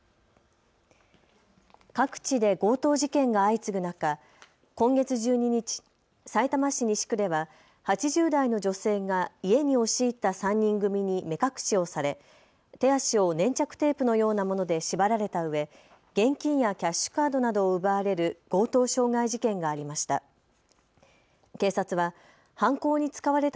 各地で強盗事件が相次ぐ中、今月１２日、さいたま市西区では８０代の女性が家に押し入った３人組に目隠しをされ手足を粘着テープのようなもので縛られたうえ現金やキャッシュカードなどを奪われる強盗傷害事件がありました。